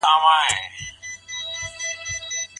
که خلګ په اثبات مکلف سي څه به پېښ سي؟